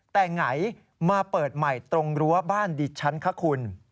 แต่ไงมาเปิดใหม่ตรงรั้วบ้านดิฉันคะคุณ